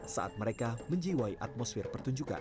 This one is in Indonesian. saat mereka menjiwai atmosfer pertunjukan